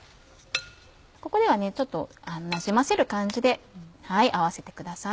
ここではちょっとなじませる感じで合わせてください。